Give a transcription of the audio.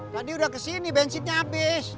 tadi udah kesini bensinnya habis